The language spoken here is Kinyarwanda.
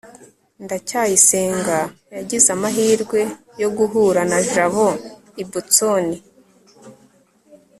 ndacyayisenga yagize amahirwe yo guhura na jabo i boston